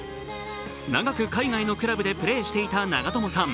長く海外のクラブでプレーしていた長友さん。